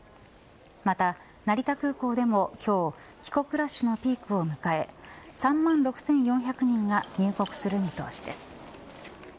また、成田空港でも今日帰国ラッシュのピークを迎え３万６４００人が入国する見通しです。